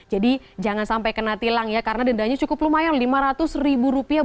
jadi jangan sampai kena tilang ya karena dendanya cukup lumayan lima ratus ribu rupiah